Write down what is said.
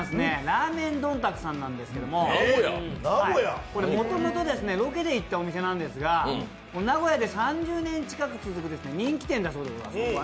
ラーメンどんたくさんなんですけど、もともとロケで行ったお店なんですが名古屋で３０年近く続く人気店でございます。